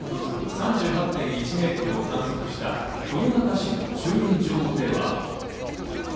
３８．１メートルを観測した豊中市の駐輪場では。